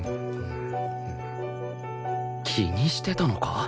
気にしてたのか？